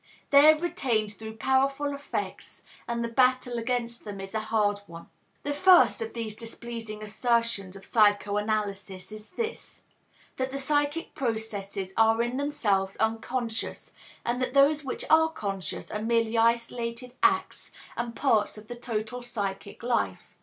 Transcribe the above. They are retained through powerful affects, and the battle against them is a hard one. The first of these displeasing assertions of psychoanalysis is this, that the psychic processes are in themselves unconscious, and that those which are conscious are merely isolated acts and parts of the total psychic life.